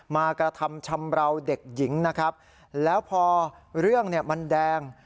มากระทำชำราวเด็กหญิงแล้วพอเรื่องมันแดง